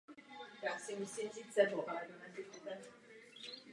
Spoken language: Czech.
Dobrovolnou jednotkou jsou pak Místní kluby.